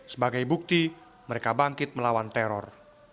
sebagai bukti mereka bangkit melawan teror